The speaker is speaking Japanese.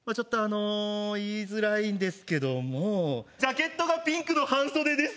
言いづらいんですけどもジャケットがピンクの半袖です。